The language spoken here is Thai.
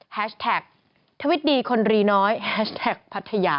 แท็กทวิตดีคนรีน้อยแฮชแท็กพัทยา